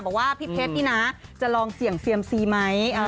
บอกว่าพี่เพชรนี่นะจะลองเสี่ยงเซียมซีไหม